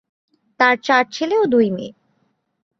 তার চার ছেলে ও দুই মেয়ে।